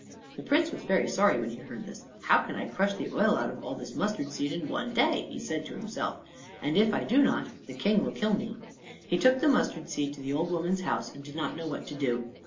The Prince was very sorry when he heard this. "How can I crush the oil out of all this mustard seed in one day?" he said to himself; "and if I do not, the King will kill me." He took the mustard seed to the old woman's house, and did not know what to do.